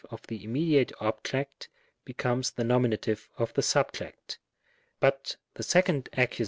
of the immediate object be comes the Nom. of the subject — ^but the second Accus.